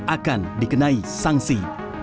akan dikenai sanksi